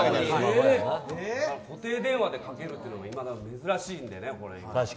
固定電話でかけるって今、珍しいのでね。